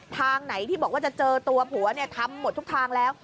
ทางไหนที่บอกว่าจะเจอตัวผัวเนี่ยทำหมดทุกทางแล้ว